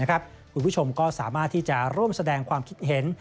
คุณผู้ชมก็สามารถที่จะร่วมแสดงความคิดเห็น